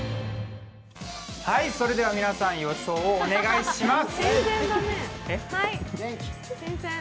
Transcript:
それでは皆さん、予想をお願いします。